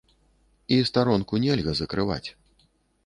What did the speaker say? І старонку нельга закрываць.